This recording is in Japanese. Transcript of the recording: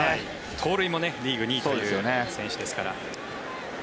盗塁もリーグ２位という選手ですから。